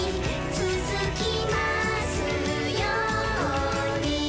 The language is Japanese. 「つづきますように」